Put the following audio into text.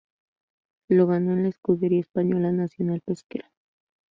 Lo ganó con la escudería española Nacional Pescara.